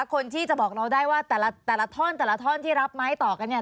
คนที่จะบอกเราได้ว่าแต่ละท่อนแต่ละท่อนที่รับไม้ต่อกันเนี่ย